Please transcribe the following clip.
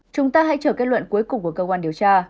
chúng ta hãy chờ kết luận cuối cùng của cơ quan điều tra